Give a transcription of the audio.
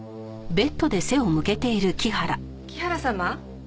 木原様？